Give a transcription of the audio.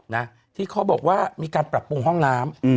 นะที่เขาบอกว่ามีการปรับปรุงห้องน้ำ